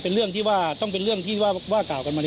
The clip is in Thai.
เป็นเรื่องที่ว่าต้องเป็นเรื่องที่ว่ากล่าวกันมาในศาลชั้นต้นนะครับ